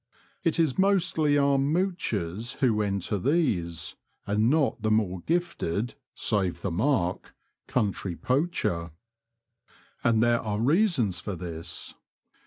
It is mostly armed mouchers who enter these, and not the more gifted (save the mark !) country poacher. And there are reasons for this.